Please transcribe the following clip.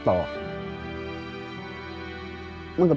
ตอนนี้ก็ไปทำไล่มันต่อ